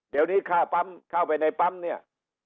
เดี๋ยวนี้ค่าปั๊มเข้าไปในปั๊มเนี่ย